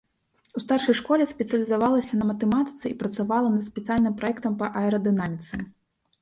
У старшай школе спецыялізавалася на матэматыцы і працавала над спецыяльным праектам па аэрадынаміцы.